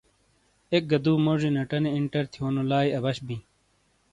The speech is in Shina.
ایک گہ دُو موجی نیٹانی انٹر تھیونو لائی اَبش بِیں۔